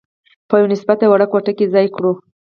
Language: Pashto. په یوه نسبتاً وړه کوټه کې ځای کړو.